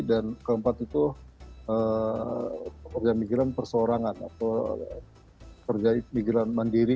dan keempat itu pekerjaan migran persorangan atau pekerja migran mandiri